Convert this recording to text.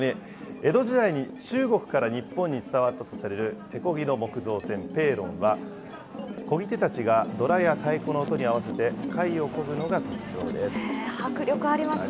江戸時代に中国から日本に伝わったとされる手こぎの木造船、ペーロンは、こぎ手たちがドラや太鼓の音に合わせて、迫力ありますね。